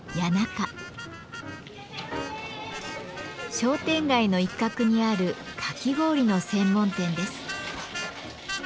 商店街の一角にあるかき氷の専門店です。